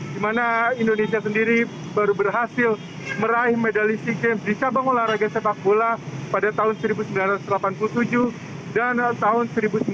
di mana indonesia sendiri baru berhasil meraih medali sea games di cabang olahraga sepak bola pada tahun seribu sembilan ratus delapan puluh tujuh dan tahun seribu sembilan ratus sembilan puluh